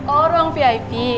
oh ruang vip